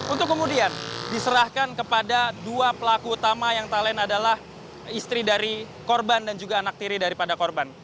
untuk kemudian diserahkan kepada dua pelaku utama yang talen adalah istri dari korban dan juga anak tiri daripada korban